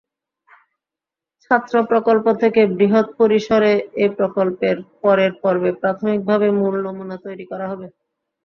ছাত্র-প্রকল্প থেকে বৃহৎ পরিসরেএ প্রকল্পের পরের পর্বে প্রাথমিকভাবে মূল নমুনা তৈরি করা হবে।